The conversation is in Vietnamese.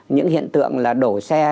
những hiện tượng là đổ xe